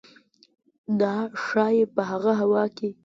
دا ښايي په هغه هوا کې